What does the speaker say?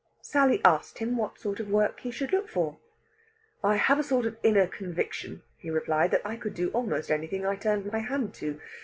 Sally asked him what sort of work he should look for. "I have a sort of inner conviction," he replied, "that I could do almost anything I turned my hand to.